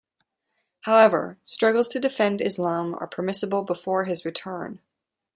However, "struggles to defend Islam" are permissible before his return.